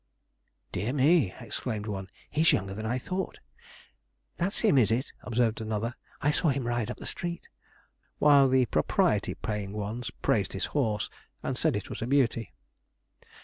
'Dear me!' exclaimed one, 'he's younger than I thought.' 'That's him, is it?' observed another; 'I saw him ride up the street'; while the propriety playing ones praised his horse, and said it was a beauty.